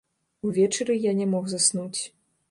Увечары я не мог заснуць.